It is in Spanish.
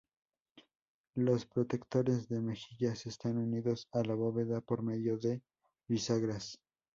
Los protectores de mejillas están unidos a la bóveda por medio de bisagras.